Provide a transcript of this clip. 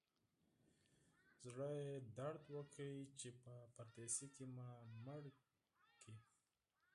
زړه یې درد وکړ چې په پردیسي کې مې مړ کړ.